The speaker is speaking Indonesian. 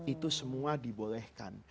itu semua dibolehkan